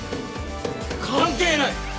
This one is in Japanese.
関係ない！